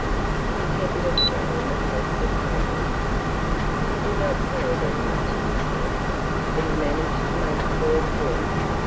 He kept looking at him across the table. He did not say very much himself, but he managed to make the boy talk.